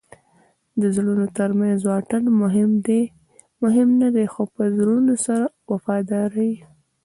د زړونو ترمنځ واټن مهم نه دئ؛ خو چي زړونه سره وفادار يي.